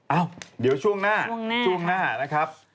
เอ้าเดี๋ยวช่วงหน้าช่วงหน้านะครับ